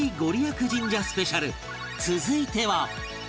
続いては